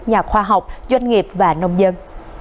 nhà khoa học doanh nghiệp và nông dân